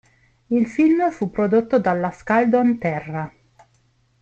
Il film fu prodotto dalla Skaldon-Terra.